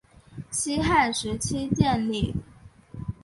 西汉时期建立。